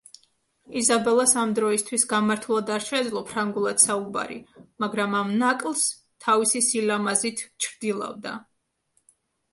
იზაბელას ამ დროისთვის გამართულად არ შეეძლო ფრანგულად საუბარი, მაგრამ ამ ნაკლს თავისი სილამაზით ჩრდილავდა.